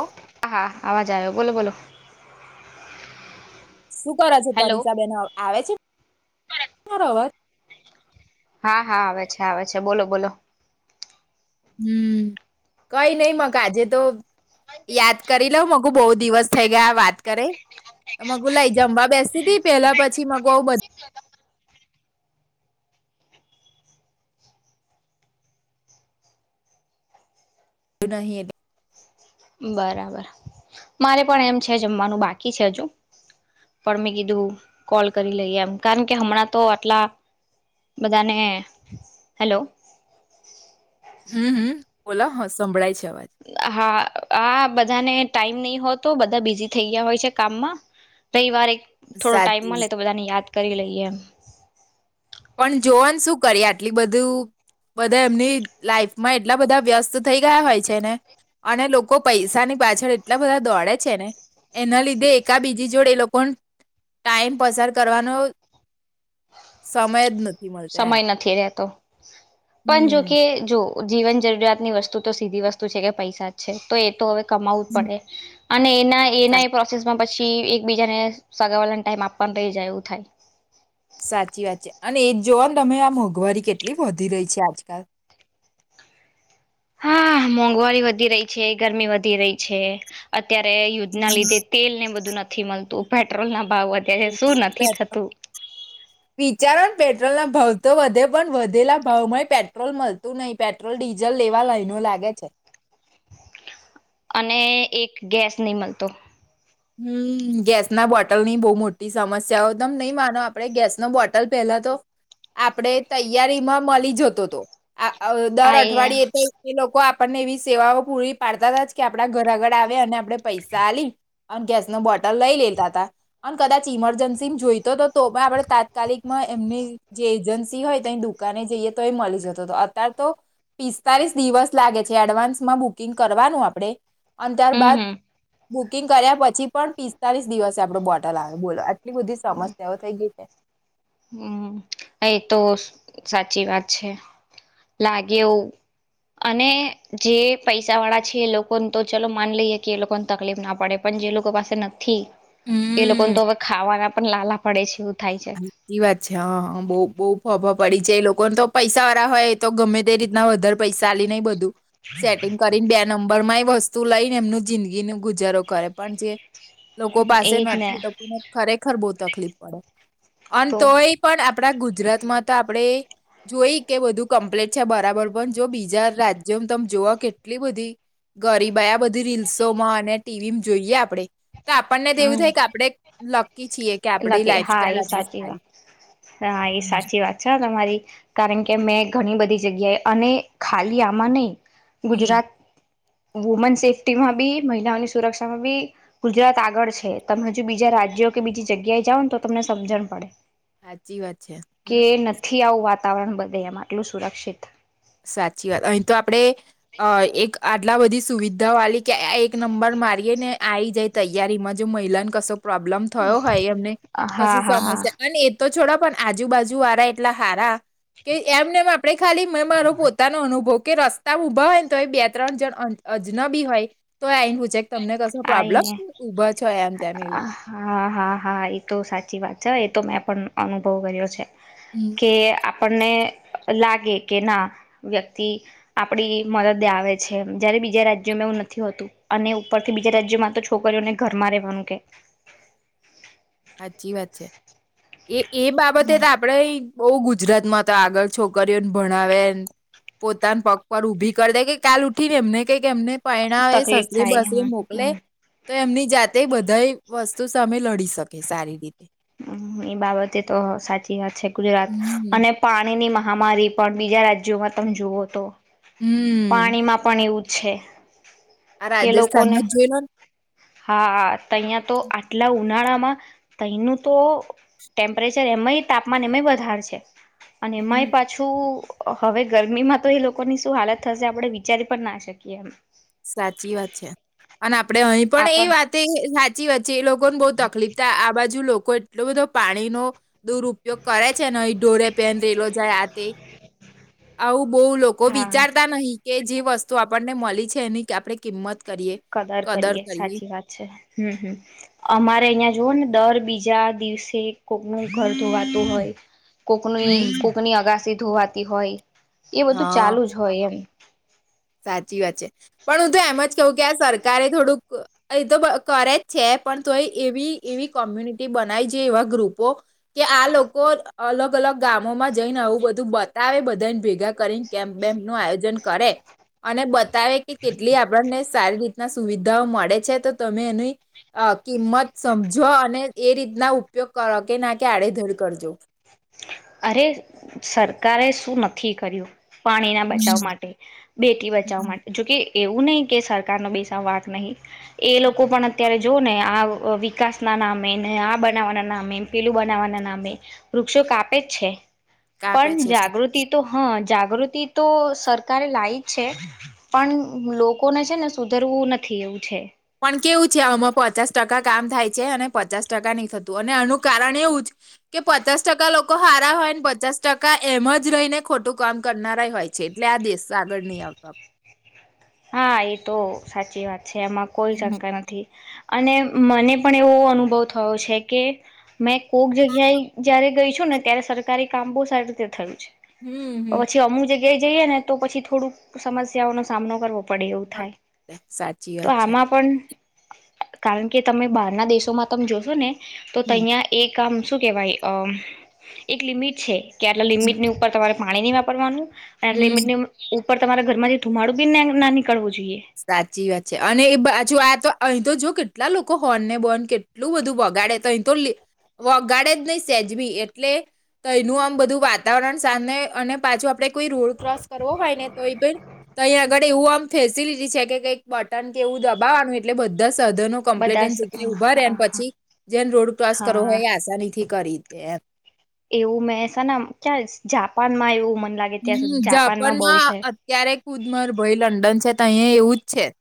ઓ હા હા આવાજ જ આયો બોલો બોલો શું કરે છે હેલો. પરરીસા બેન એ આવે છે બરોબર હા હા આવે છે આવે છે બોલો બોલો હમ કઈ નઈ મગ આજે તો યાદ કરી લઉ મગું બહુ દિવસ થઈ ગયા આ વાત કરે મગું લઈ જમવા બેસીતી હતી પેલા પછી મકુ નહી એટલે બરાબર મારે પણ એમ છે જમવાનું બાકી છે હજુ પણ મેં કીધું કોલ કરી લઈએ એમ કારણ કે હમણાં તો આટલા બધાને હેલો હમ હમ બોલો સંંભળાય છે. અવાજ હા આ બધાને ટાઈમ નહી હો તો બધા બિઝી થઈ ગયા હોય છે કામમાં રવિવારે થોડો ટાઈમ સાચી મલે વાત તો બધાને યાદ કરી લઈએ એમ પણ જોવાન શું કરીએ આટલી બધું બધા એમની લાઈફમાં એટલા બધા વ્યસ્ત થઈ ગયા હોય છે ને અને લોકો પૈસાની પાછળ એટલા બધા દોડે છે ને એના લીધે એકા બીજી જોડે એ લોકોને ટાઈમ પસાર કરવાનો સમય જ ન સમય નથી રહેતો પણ હમ જોકે જો જીવન જરૂરિયાતની વસ્તુ તો સીધી વસ્તુ છે કે પૈસા જ છે તો એ તો હવે કમાવુ પડે અને એના સા એના પ્રોસેસમાં પછી એકબીજાને સગાવવાને ટાઈમ આપવા રહી જાય એવું થાય. સાચી વાત છે અને એજ જોવાનું તમે આ મોંઘવારી કેટલી વધી રહી છે આજકાલ હા મોંઘવારી વધી રહી છે ગરમી વધી રહી છે અત્યારે યુદ્ધના લીધે તેલ ને બધું નથી નથી મળતું પેટ્રોલ ના ભાવ વધ્યા છે શું નથી થતું વિચારો બેઠ પેટ્રોલ ના ભાવ તો વધે પણ વધેલા ભાવ માં પેટ્રોલ મળતું નહી પેટ્રોલ ડીઝલ લેવા લાઈનો લાગે છે અને એક ગેસ નહી મળતો હમ ગેસ ના બોટલ ની બહુ મોટી સમસ્યાઓ તમે નહી માનો આપણે ગેસ ન બોટલ પેલા તો આપણેે તૈયારીમાં મળી જતો હતો આ દર અઠવાડિયે તો એ લોકો લોકો આપણને એવી સેવાઓ પૂરી પાડતા હતા જ કે આપણા ઘર આગળ આવે અને આપણે પૈસા આલી અને ગેસ ન બોટલ લઈ લેતા હતા અને કદાચ ઈમરજન્સી જોઈતો હતો તો પણ આપડે તાત્કાલિકમાં એમની જે એજન્સી હોય ત ડુ દુને જઈએ તો એ મળી જતો અત્યારે તો પિસ્તાલીસ દિવસ લાગે છે એડવાન્સમાં બુકિંગ કરવાનું આપણે અને હમ ત્યારબાદક હમ પછી પણ પિસ્તાલીસ દિવસે આપડો બોટલ આવે બોલો એટલી બધી સમસ્યાઓ થઇ ગયઈ છે હમ એ તો સાચી વાત છે લાગે એવું અને જે પૈસા વાળા છે એ લોકોને તો ચલો માની લઈએ કે એ લોકોને તકલીફ ના પડે પણ જે લોકો પાસે નથી એ હમ લોકોને તો હવે ખાવાના પણ લાલા પડે છે થાય છે. સાચી વાત છે હા હ બહુ બહુ ફફા પડી છે એ લોકોને તો પૈસા વાળા હોય એ તો ગમે તે રીતના વધારે પૈસા આલિને નહી બધું સેટિંગ કરીને બે નંબર માં વસ્તુ લઈને એમનું જિંદગી ન ગુજારો કરે પણ જે લોકો પાસે એજ ને નથી લોકોને ખરેખ ખર બહુ તકલીફ પડે અને તો તોય પણ આપડા ગુજરાત માં તો આપડે જોઈ કે બધું કમ્પ્લીટ છે બરાબર પણ જો બીજા રાજ્યોમાં તમે જોઓ કેટલી બધી ગરીબ આ બધી રીલ્સોમાં અને ટીવીમાં જોઈએ આપણે તો આપણને તો એવું હમ થાય કે આપણેે લકી છીએ કે આપડી લકી લાઈફ હા સ્ટાઈલ એ આપણી સાચી સારી વાત હા એ હમ સાચી વાત છે તમારી કારણ કે મેં ઘણી બધી જગ્યાએ અને ખાલી આમાં નહી હમ ગુજરાત વુમન સેફ્ટી માં બી મહિલાની સુરક્ષામાં બી ગુજરાત આળ આગળ છે તમે હજુ બીજા રાજ્યો કે બીજી જગ્યાએ જાઓ ને તો તમને સમજણ પડે સાચી વાત છે કે હમ નથી આવું વાત વાતાવરણ બધે એમ આટલું સુરક્ષિત સાચી વાત અહીં તો આપડે અ એક આટલા બધી સુવિધા વાલી કે એક નંબર મારીએ ને આવી જાય તૈયારીમાં જો મહિલાને કશો પ્રોબ્લેમ થયો હોય એમને હા કશી હા હા સમસ્યા અને એ તો છોડા પણ આજુ બાાજુ વારા એટલા હારા કે એમને મા પડે ખાલી મે મારો તાનો અનુભવ કે રસ્તા ઊભા હોય ને તો એ બે ત્રણ જણ અજનબી હોય તો આઈને પૂછે કે તમને કશો આઈ પ્રોબ્લેમ ને ઊભા છો એમ તેમ એવું હા હા હા એતો સાચી વાત છે. તો મેં પણ અનુભવ કર્યો છે. હમ કે આપ પણને લાગે કે ના વ્યક્તિ આપડી મદદે આવે છે જયારે બીજા રાજ્યોમાં એવું નથી હોતું. અને ઉપરથી બીજા રાજ્યમાં તો છોકરીઓને ઘરમાં રહેેવાનું કે. હાચી વાત છે એ એ બાબતે તો આપડે બઉ ગજરાતમાં તો આગળ છોકરીઓને ભણાવે પોતાના પ પર ઉભી કરી દેય કે કાલ ઉ ઠીને એમને કઈક એમને પરણાવે તકલીફ સાસરે થાય બાસરે મોકલે હમ તો એમની જાતે બધાઈ વસ્તુ સામે લડી શક કે સારી રીતે. હ એ બાબતે તો સાચી વાત છે. ગુજરાત હમ્મ. અને પાણી ની મા હમારી પણ બીજા રાજ્યોમાં તમે જુઓ તો હમ્મ પાણી માં પણ એવું છે. આ કે લોકોને રાજસ્થાનમાં જ જોઈ લો ને હા તહીંયા તો આટલા ઉનાળામાં તયનું તો ટેમ્પરેચર એમય તાપમાન એમય વધાર છે. અને હમ માય પાછું હવે ગરમીમાં તો એ લોકોની શું હાલત થશે આપડે વિચારી પણ ના શકીએ એમ. સાચી વાત છે અને આ પડે અહીં પણ એ આપણ વાત સાચી વાત છે એ લોકોને બઉ તકલીફ આ બા જુ લોકો એટલો બધો પાણીનો દુરઉપયોગ કરે છે ને ઢોરે પેન રેલો જાય આ તે આવું બહુ લોકો હા વિચારતા નહી કે જે વસ્તુ આપ પણને મલી છ છે એની કાપડે કિંમત કદર કરીએ સાચી વાત છે હમ હમ અમારે અહિયાં જોવો ને દર બીજા દિવસે કોકનું ઘર ધોવાતું હોય. કોકની હમ્મ, કોકની અગાસી ધુવાતી હોય એ બધું હા. ચાલુ જ હોય એમ સાચી વાત છે પણ હું તો એમ જ કવું કે આ સરકારે થોડુંક એ તો કરે જ છે પણ તોય એવી એવી કોમ્યુનિટી બનાવી છે એવા ગ્રુપો કે આ લોકો અલગ અલગ ગામોમાં જઈને આવું બધું બતાવે બધાને ભેગા કરીને કેમ્પ બેેમ્પનું આયોજન કરે અને બતાવે કે કેટલી આપણને સારી રીતના સુવિધાઓ મળે છે તો તમે એની અ કિંમત સમજો અને એ રીતના ઉપયોગ કરો કે ના કે આડેધડ કરજો અરે સરકારે શું નથી કર્યું પાણીના બચાવ હમ માટે બેટી બચાવ હમ માટે જોકે એવું નહી કે સરકાર ન બેસા વાક નહી એ લોકો પણ અત્યારે જો ને આ વિકાસના નામે ને આ બનાવવાના નામે પેલું બનાવવાના નામે વૃક્ષો કાપ એજ છે. કાપે પણ છે. જાગૃતિ તો હા જાગૃતિ તો સરકારે લાવી જ છે પણ લોકોને છે ને સુધરવું નથી એવું છે. પણ કેવું છે આમાં પચાસ ટકા કામ થાય છે અને પચાસ ટકા નહી થતું અને એનું કારણ એવું જ કે પચાસ ટકા લોકો હારા હોયને પચાસ ટકા એમ જ રહીને ખોટું કામ કરનારાય હોય છે એટલે આ દેશ આગળ નહી આપવા હા એ તો સાચી વાત છે એમાં કોઈ હમ શંકા નથી અને મને પણ એવો અનુભવ થયો છે કે મેં કોક જગ્યાએ જયારે ગઈ છું ને ત્યારે સરકારી કામ બહુ સારી રીતે થયું છે. હમ હમ ગ્યાએ જઈએ ને તો પછી થોડુંક સમસ્યાઓ નો સામનો કરવો પડે એવું થાય સાચી તો વાત છે. આમાં પણ કારણ કે તમે બહારના દેશોમાં તમે જોશો ને તો હમ. તહીંયા એક કામ શું કહેવાય અમ એક લિમિટ છે. કે આટલા લિમિટની ઉપર તમારે પાણી નહી વાપરવાનું અને હમ. લિમિટની એમ ઉ પર તમારા ઘરમાંથી ધુમાડુ બી નાની સાચી વાત છે અને એ બાછું આ તો અહીં તો જો કે કેટલા લોકો હોર્નને બોન કેટલુંબધું વગાડે તોહી તો વગાડે જ નહી સેજબી એટલે તોયનું આમ બધું વાતાવરણ સામે અને પાછું આપડે કોઈ રોડ ક્રોસ કરવો હોયને તો તો અહીંયા આગળ એવું આમ ફેસિલિટી છે કે કંઈક બટન કે એવું દબાવવાનું એટલે બધા જ સધનો કમ્પ્લેટ એ બધા જેગલે ઉભા રેને હા પછી જેને રોડ ક્રોસ કરો હા હોય એ આસાાનીથી કરીદે એમ એવું મેસેને ક્યાં જાપાનમાં એવું મ હમ જાપાનમાં અત્યારે કુદમર ભાઈ લંડન છે ત્યં એવું જ છે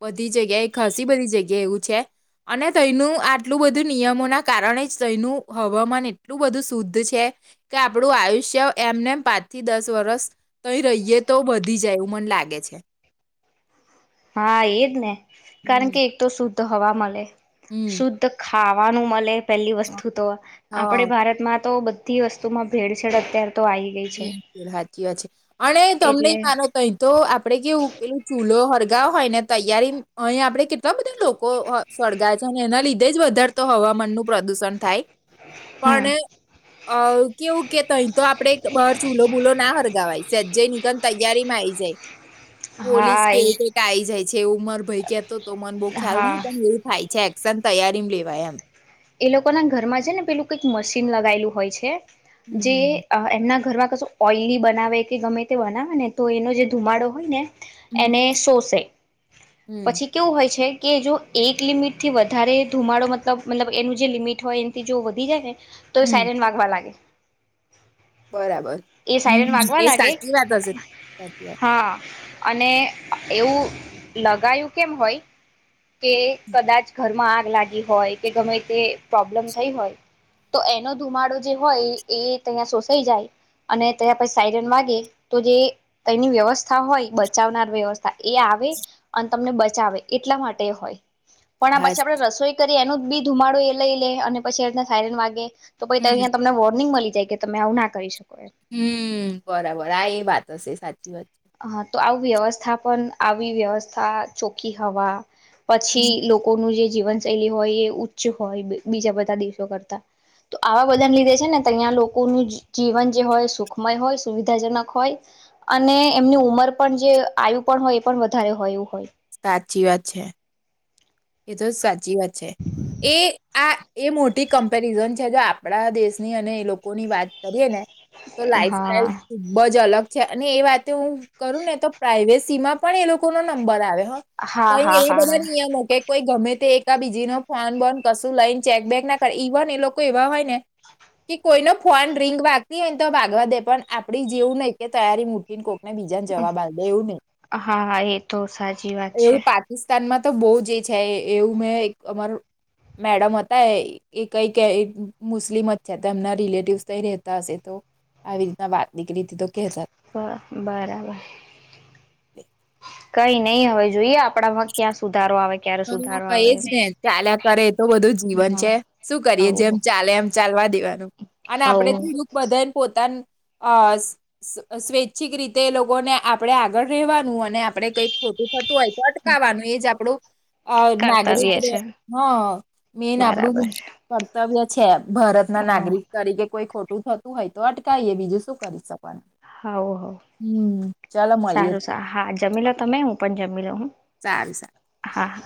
બધી જગ્યા એ ખસી બધી જગ્યા એવું છે અને ત્યનું આટલું બધું નિયમો ના કારણે જ ત્યનું હવામાન એટલું બધું શુદ્ધ છે કે આપડું આયુષ્ય એમનેમ પા થી દસ વરસ તઈ રહીએ તો વધી જાય એવું મન લાગે છે હા એદને કારણ હમ્મ. કે એક તો સુ તો હવા મળે હમ્મ શુદ્ધ ખા ખાવાનું મલે પહેલી વસ્તુ તો હા આપણેે ભારતમાં તો બધા બધી વસ્તુમાં ભેળ છેેડ અત્યારે તો આવી ગઈ છે સાાચી વાત છે અળે તમને એટલે માનો ત‌ઇતો આપડે કેવું પેલું ચૂલો હડ અગા હોય ને તૈયારી અહી આપણે કેટલા બધા લોકો અ સળગાય છે એના લીધે તેજવા ર તો હવામાન નું પ્રદુષણ થાય હમ પણ અ કેવું કે તહી તો આપણે બહાર ચૂલો બૂલો ના હરગાવાય સજ્જય ની તને તૈયાર તેમા આવી જાય પોલીસ હા કે એ કે આઈ જાય કે ઉંમર ભાઈ કેતો તો મન બહુ ખ્યાલ હા નહીં પણ એવું થાય છે સન તૈયારીમાં લેવાય એમ એ લોકો ના ઘરમાં છે ને પેલું કઈક મશીન લગાયેલું હોય છે જે હમ અ એમના ઘરમાં કશું ઓઇલી બનાવે કે ગમે તે બનાવે ને તો એનો જે ધુમાડો હોય ને હમ હમ એને શોષે હમ પછી કેવું હોય છે કે જો એક લિમિટ થી વધારે ધુમાડો મતલબ મતલબ એનું જે લિમિટ હોય એનીથી જો વધી જાય ને તો હમ સાયરીન વાગવા લાગે બરાબર એ સાયરન હમ વાગવા એ લાગે સાચી વાત હશે સાચી વાત હા અને એવું લગાયું કેમ હોય કે કદાચ ઘરમાં આગ લાગી હોય કે ગમે તે પ્રોબ્લેમ થઈ હોય તો એનો ધુમાડો જે હોય એ તં શોષાઈ જાય અને તં પછી સાઈરન વાગે તો જે એની વ્યવસ્થા હોય બચાવનાર વ્યવસ્થા એ આવે અને તમને બચાવે એટલા માટે તે હોય પણ આ હા જ. પછી આપણે રસોઈ કરી તો એનો જ બી ધુમાડો એ લઈ લે અને પછી એના સાયરન વાગે તો પછી ત હમ અહીં તમને વોર્નિંગ મલી જે કે તમે આવું ના કરી શકો એ હમ બરાબર આ એ વાત હશે સાચી વાત. છે. હા તો આવું વ્યવસ્થા પણ આવી વ્યવસ્થા ચોખ્ખી હવા. હમ, પછી લોકોનું જે જીવનશૈલી હોય એ ઉચ્ચ હોય બીજા બધા દેશો કરતા તો આવા બધા ને લીધે છે ને તહિયા લોકોનું જીવન જે હોય સુખમય હોય સુવિધાજનક હોય અને એમની ઉંમર પણ જે આવ્યું પણ હોય એ પણ વધારે હોયું હોય. સાચી વાત છે. એ તો સાચી વાત છે એ આ એ મોટી કમ્પેરિઝન છે જો આપણા દેશની અને એ લોકોની વાત કરીએ ને. તો લાઈફ હા સાઈલ ખૂબ જ અલગ. છે અને એ વાતે હું કરું ને તો પ્રાઈવેસી માં પણ એ લોકો નો નંબર આવે. ત એ હા હા હા બધા ને હા અહિયાં માટે. એક બીજી ન ફોન બંધ કશું લઈને ચેકબેક ના કરે ઇવન એ લોકો એવા હોય ને કે કોઈ ન ફોન રિંગ વાગતી હોય ને તો વાગવા દે પણ આપડી જેવું નહી કે તૈયારી માં મૂકી દેવો. બીજા જવાબ આવે એવું નહી હા હા એ તો સાચી વાત એવું છે પાકિસ્તાનમાં. તો બોુ જ. છે એવું મેં એક અમાર મેડમ હતા એ કઈક મુસ્લિમ જ છે તો એમના રિલેટિવસ ક રતા હશે તો આવી રીતના વાત. નીકળી હતી તો કહેતા હતા. બ બરાબર. કઈ નહીં હવે જોઈએ આપણામાં ક્યાં સુધી. હ એજ ને ચાલ્યા કરે એ તો બધું જીવન છે શું કરીએ જેમ ચાલે એમ ચાલવા દેવાનું અને હ આપડે હ રું બધા પોતાનું. અ સ્વૈચ્છિક રીતે એ લોકોને આપણે આગળ રહેવાનું અને આપણે કઈક ખોટું. થતું હોય તો અટકાવવાનું એજ આપણું. અ નાગરિક કર્તવ્ય ર છે હ મેન બરાબર આપડું. છે તબ જ છે. ભારત ના હ હવ નાગરિક તરીકે કોઈ ખોટ. થતું હોય તો અટકાવએ બીજું શું કરી શકે. હ હ ચાલો મળીએ સારું સ હા જમી લો તમે હું પણ જમી લો હું સારું હા. [inaudible]